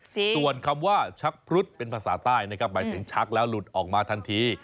ส่วนคำว่าชักพรุษเป็นภาษาใต้นะครับหมายถึงชักแล้วหลุดออกมาทันที